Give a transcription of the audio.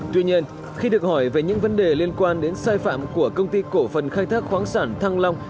tuy nhiên khi được hỏi về những vấn đề liên quan đến sai phạm của công ty cổ phần khai thác khoáng sản thăng long